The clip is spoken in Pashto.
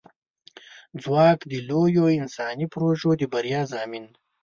ځواک د لویو انساني پروژو د بریا ضامن دی.